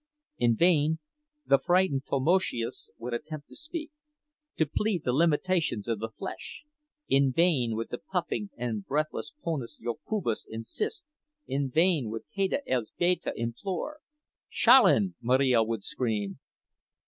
In vain the frightened Tamoszius would attempt to speak, to plead the limitations of the flesh; in vain would the puffing and breathless ponas Jokubas insist, in vain would Teta Elzbieta implore. "Szalin!" Marija would scream.